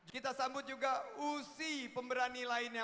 kita sambut juga usi pemberani lainnya